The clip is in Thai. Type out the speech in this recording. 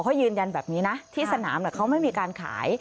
เขายืนยันแบบนี้นะที่สนามเขาไม่มีการขาย